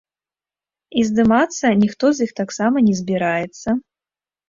І здымацца ніхто з іх таксама не збіраецца.